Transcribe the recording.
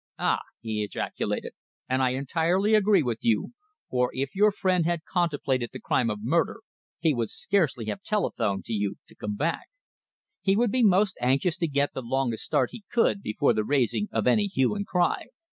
"Ah!" he ejaculated, "and I entirely agree with you, for if your friend had contemplated the crime of murder he would scarcely have telephoned to you to come back. He would be most anxious to get the longest start he could before the raising of any hue and cry."